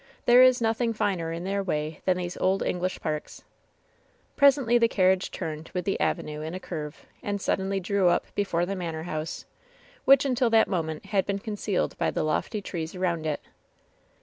"There is nothing finer in their way than these old English parks." Presently the carriage turned with the avenue in a curve, and suddenly drew up before the manor house, which until that moment had been concealed by the lofty trees around it.